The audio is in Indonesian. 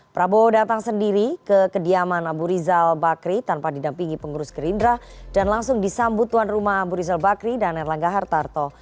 prabowo datang sendiri ke kediaman abu rizal bakri tanpa didampingi pengurus gerindra dan langsung disambut tuan rumah abu rizal bakri dan erlangga hartarto